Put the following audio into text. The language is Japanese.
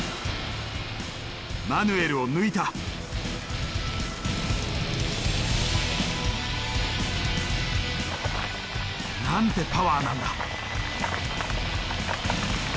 マヌエルを抜いた。なんてパワーなんだ。